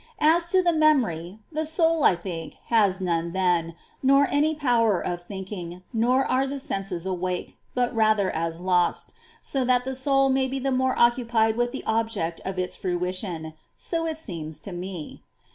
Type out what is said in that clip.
As to the memory, the soul, I think, has none then, nor any power of thinking, nor are the senses awake, but rather as lost, so that the soul may be the more occupied with the object of its fruition : so it seems to me.